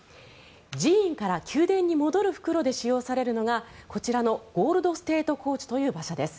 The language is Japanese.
寺院から宮殿に戻る復路で使われるのがゴールド・ステート・コーチという馬車です。